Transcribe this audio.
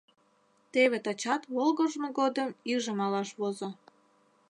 Теве тачат волгыжмо годым иже малаш возо.